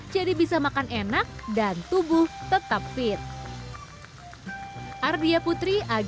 jadi bisa makan enak dan tubuh tetap fit